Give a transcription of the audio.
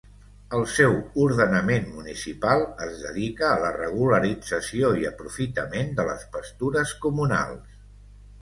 El seu ordenament municipal es dedica a la regularització i aprofitament de les pastures comunals.